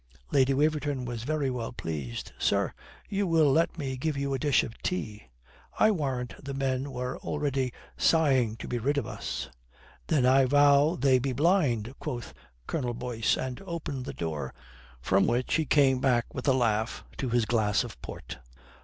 Lady Waverton was very well pleased. "Sir, you will let me give you a dish of tea. I warrant the men were already sighing to be rid of us." "Then I vow they be blind," quoth Colonel Boyce, and opened the door, from which he came back with a laugh to his glass of port.